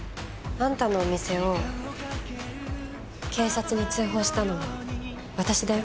あんたのお店を警察に通報したのは私だよ。